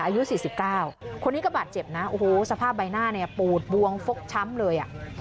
อายุสี่สิบเก้าคนนี้ก็บาดเจ็บนะโอ้โหสภาพใบหน้าเนี่ยปูดบวงฟกช้ำเลยอ่ะ